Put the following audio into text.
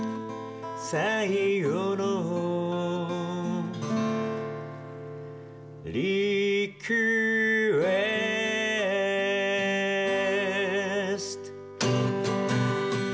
「最後のリクエスト」